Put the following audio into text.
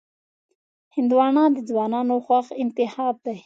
هندوانه د ځوانانو خوښ انتخاب دی.